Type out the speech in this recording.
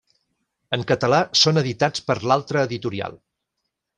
En català són editats per l'Altra Editorial.